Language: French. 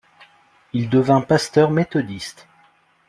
Il devint pasteur méthodiste.